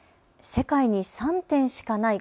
世界に３点しかない